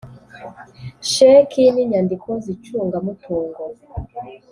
Sheki n’inyandiko z’icungamutungo,